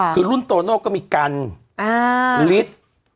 คือรุ่นโตโน่ก็มีกันฤทธิ์